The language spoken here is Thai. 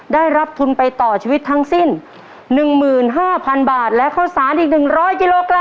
ได้รับทุนไปต่อชีวิตทั้งสิ้นหนึ่งหมื่นห้าพันบาทและข้าวสารอีกหนึ่งร้อยกิโลกรัม